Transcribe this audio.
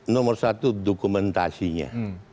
nomor satu dokumentasinya